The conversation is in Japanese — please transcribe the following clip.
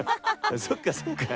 そっかそっか。